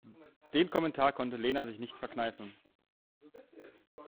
Den Kommentar konnte Lena sich nicht verkneifen.